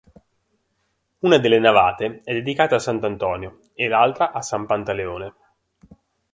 Una delle navate è dedicata a Sant'Antonio e l'altra a San Pantaleone.